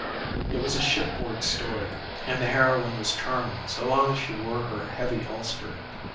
It was a shipboard story, and the heroine was charming so long as she wore her heavy ulster.